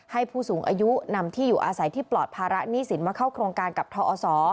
ผู้สูงอายุนำที่อยู่อาศัยที่ปลอดภาระหนี้สินมาเข้าโครงการกับทอศ